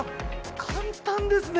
簡単ですね！